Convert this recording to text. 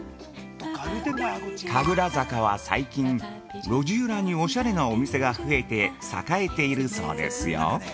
◆神楽坂は、最近裏路地におしゃれなお店が増えて栄えているそうですよ。